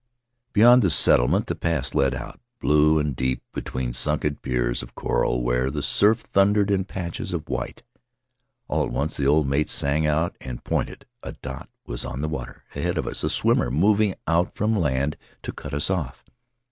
"Beyond the settlement the pass led out, blue and deep, between sunken piers of coral, where the surf thundered in patches of white. All at once the old mate sang out and pointed — a dot was on the water ahead of us, a swimmer moving out from land to cut us off.